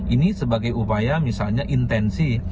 ini sebagai upaya misalnya intensi